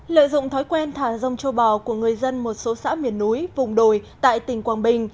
lợi dụng thói quen thả rông châu bò của người dân một số xã miền núi vùng đồi tại tỉnh quảng bình